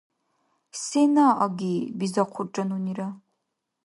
— Сена аги? — бизахъурра нунира.